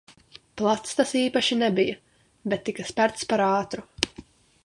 Plats tas īpaši nebija, bet tika sperts par ātru.